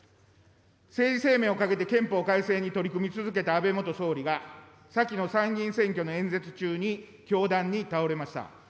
政治生命をかけて憲法改正に取り組み続けた安倍元総理が、先の参議院選挙の演説中に、凶弾に倒れました。